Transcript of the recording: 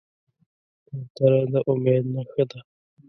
کوتره د امید نښه ده.